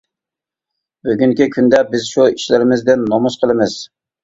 بۈگۈنكى كۈندە بىز شۇ ئىشلىرىمىزدىن نومۇس قىلىمىز.